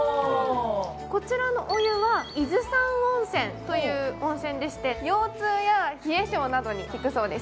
こちらのお湯は伊豆山温泉という温泉でして腰痛や冷え性などに効くそうです。